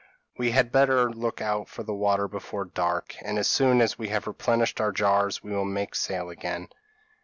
We had better look out for the water before dark, and as soon as we have replenished our jars, we will make sail again."